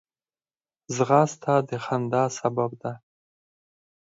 ځغاسته د خندا سبب ده